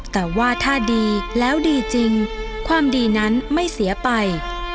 แต่ว่าถ้าดีแล้วดีจริงความดีนั้นไม่เสียไป